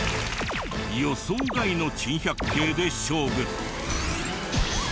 予想外の珍百景で勝負！